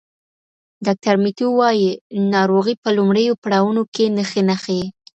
ډاکټر میتیو وايي ناروغي په لومړیو پړاوونو کې نښې نه ښيي.